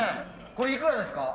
これいくらですか？